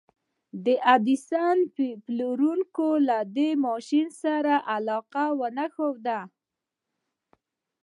د ايډېسن پلورونکو له دې ماشين سره علاقه ونه ښوده.